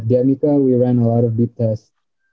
di janita kita melakukan banyak bip test